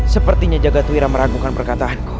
sepertinya jagatwira meragukan perkataanku